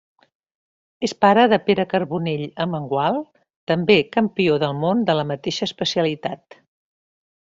És pare de Pere Carbonell Amengual, també campió del món de la mateixa especialitat.